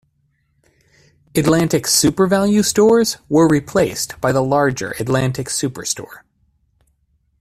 Atlantic SuperValu stores were replaced by the larger Atlantic Superstore.